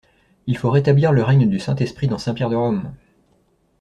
Il faut rétablir le règne du Saint-Esprit dans Saint-Pierre de Rome!